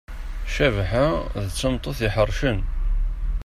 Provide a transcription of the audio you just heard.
Cabḥa d tameṭṭut iḥercen.